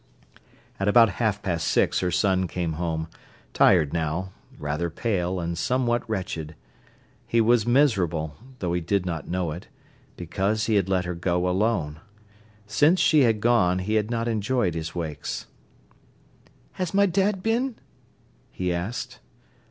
At about half past six her son came home, tired now, rather pale, and somewhat wretched. He was miserable, though he did not know it, because he had let her go alone. Since she had gone, he had not enjoyed his wakes. "Has my dad been?" he asked.